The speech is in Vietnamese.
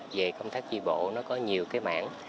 về công tác tri bộ nó có nhiều cái mảng